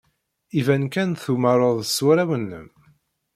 Iban kan tumared s warraw-nnem.